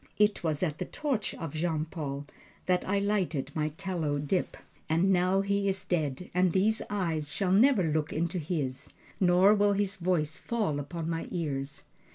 It was at the torch of Jean Paul that I lighted my tallow dip, and now he is dead and these eyes shall never look into his, nor will his voice fall upon my ears.